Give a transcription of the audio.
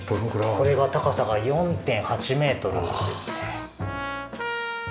これが高さが４．８メートルですね。